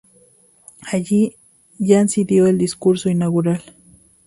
Allí, Yancy dio el discurso inaugural.